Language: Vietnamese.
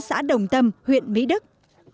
biệt vi đức